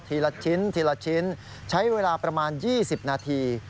ละชิ้นทีละชิ้นใช้เวลาประมาณ๒๐นาที